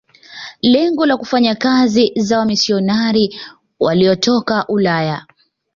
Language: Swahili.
Lengo la kufanya kazi za wamisionari waliotoka Ulaya